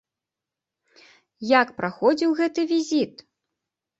Як праходзіў гэты візіт?